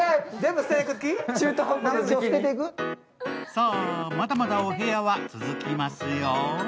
さぁ、まだまだお部屋は続きますよ。